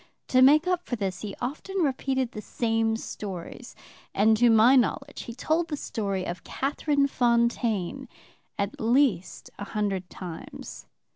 To make up for this he often repeated the same stories, and to my knowledge he told the story of Catherine Fontaine at least a hundred times.